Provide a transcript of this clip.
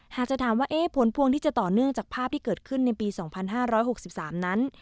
หากจะถามว่าเอ๊ะผลพวงที่จะต่อเนื่องจากภาพที่เกิดขึ้นในปีสองพันห้าร้อยหกสิบสามนั้น